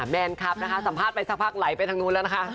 แมนครับนะคะสัมภาษณ์ไปสักพักไหลไปทางนู้นแล้วนะคะ